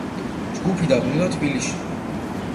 ჯგუფი დაბრუნდა თბილისში.